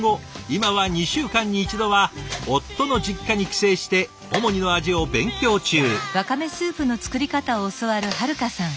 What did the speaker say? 今は２週間に１度は夫の実家に帰省してオモニの味を勉強中。